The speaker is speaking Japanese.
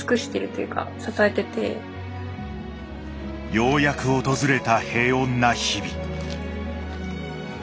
ようやく訪れた平穏な日々。